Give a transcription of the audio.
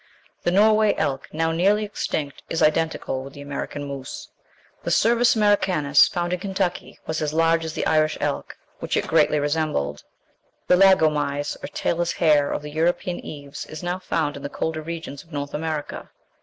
The Norway elk, now nearly extinct, is identical with the American moose. The Cervus Americanus found in Kentucky was as large as the Irish elk, which it greatly resembled. The lagomys, or tailless hare, of the European caves, is now found in the colder regions of North America.